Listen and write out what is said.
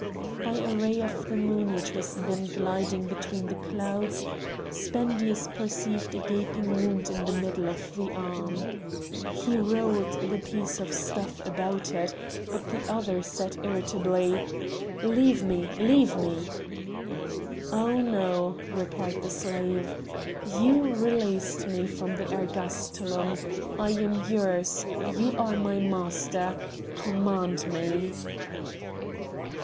By a ray of the moon which was then gliding between the clouds, Spendius perceived a gaping wound in the middle of the arm. He rolled the piece of stuff about it, but the other said irritably, "Leave me! leave me!" "Oh no!" replied the slave. "You released me from the ergastulum. I am yours! you are my master! command me!"